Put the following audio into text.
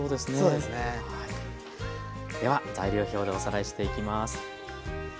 では材料表でおさらいしていきます。